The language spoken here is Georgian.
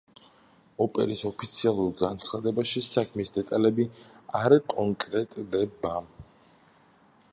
ოპერის ოფიციალურ განცხადებაში საქმის დეტალები არ კონკრეტდება.